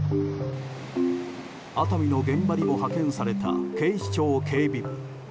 熱海の現場にも派遣された警視庁警備部。